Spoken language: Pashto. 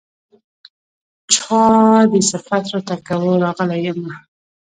چا دې صفت راته کاوه راغلی يمه